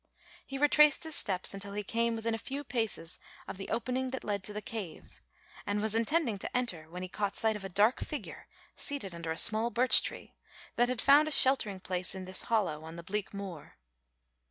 He retraced his steps until he came within a few paces of the opening that led to the cave and was intending to enter, when he caught sight of a dark figure seated under a small birch tree that had found a sheltering place in this hollow on the bleak moor.